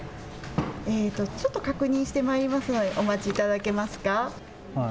ちょっと確認してまいりますので、お待ちいただけますか。